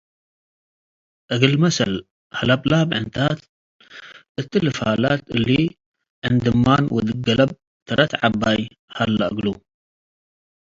እግል መሰል ሀለብላብ ዕንታት፡ እትሊ ፋላት እሊ ዕን ድማን ወድገለብ ተረት ዐባይ ሀለ እግሉ።